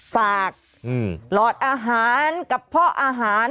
ฝากหลอดอาหารกับเพาะอาหาร